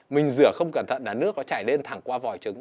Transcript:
mình rửa không cẩn thận là nước nó chảy lên thẳng qua vòi trứng